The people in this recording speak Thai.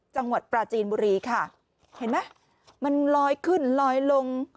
จังหวัดปราจีนบุรีค่ะเห็นไหมมันลอยขึ้นลอยลง